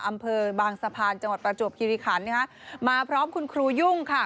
อำเภอบางสะพานจังหวัดประจวบคิริขันนะคะมาพร้อมคุณครูยุ่งค่ะ